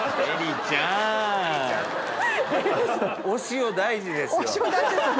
お塩大事ですよね。